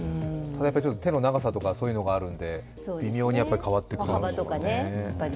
手の長さとかそういうのがあるので、微妙に変わってくるんでしょうね。